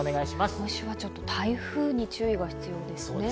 今週はちょっと台風に注意が必要ですね。